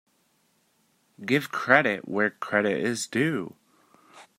Give credit where credit is due.